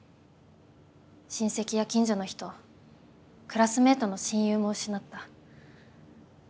親戚や近所の人クラスメイトの親友も失った。